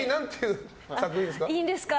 いいんですか？